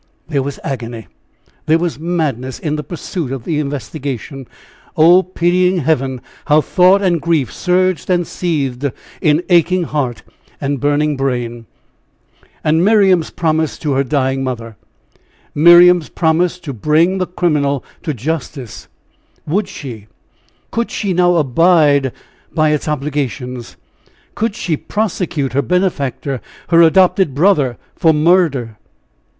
There was agony there was madness in the pursuit of the investigation. Oh, pitying Heaven! how thought and grief surged and seethed in aching heart and burning brain! And Miriam's promise to her dying mother Miriam's promise to bring the criminal to justice! Would she could she now abide by its obligations? Could she prosecute her benefactor, her adopted brother, for murder?